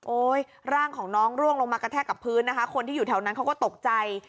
ร่างของน้องร่วงลงมากระแทกกับพื้นนะคะคนที่อยู่แถวนั้นเขาก็ตกใจ